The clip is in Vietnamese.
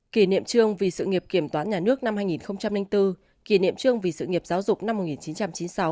kỷ niệm trương vì sự nghiệp kiểm toán nhà nước năm hai nghìn bốn kỷ niệm trương vì sự nghiệp giáo dục năm một nghìn chín trăm chín mươi sáu